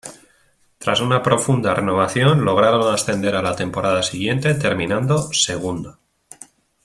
Tras una profunda renovación, lograron ascender a la temporada siguiente terminando segundo.